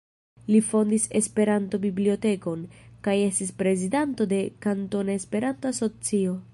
Li fondis Esperanto-bibliotekon, kaj estis prezidanto de Kantona Esperanto-Asocio.